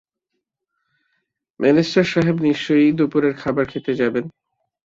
Minister সাহেব নিশ্চয়ই দুপুরের খাবার খেতে যাবেন।